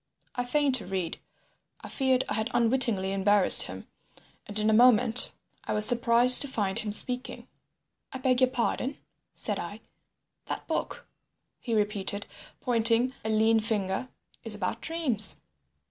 I feigned to read. I feared I had unwittingly embarrassed him, and in a moment I was surprised to find him speaking. "I beg your pardon?" said I. "That book," he repeated, pointing a lean finger, "is about dreams."